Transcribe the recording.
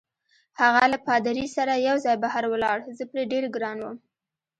هغه له پادري سره یوځای بهر ولاړ، زه پرې ډېر ګران وم.